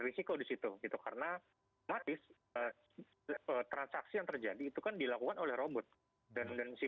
risiko disitu gitu karena mati transaksi yang terjadi itu kan dilakukan oleh robot dan si